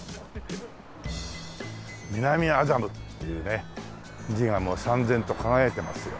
南麻布っていうね字がもうさんぜんと輝いていますよ。